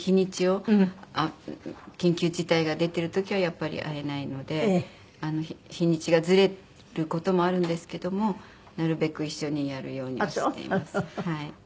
緊急事態が出てる時はやっぱり会えないので日にちがずれる事もあるんですけどもなるべく一緒にやるようにしています。